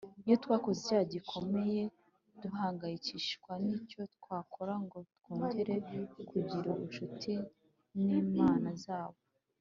Iyo twakoze icyaha gikomeye duhangayikishwa n icyo twakora ngo twongere kugirana ubucuti n Imana Zabo